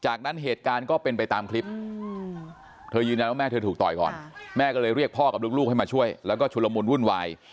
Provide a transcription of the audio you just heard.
จากนั้นเหตุการณ์ก็เป็นไปตามคลิปเธอยืนยันว่าแม่เธอถูกต่อยก่อนแม่ก็เลยเรียกพ่อกับลูกให้มาช่วยแล้วก็ชุลมุนวุ่นวาย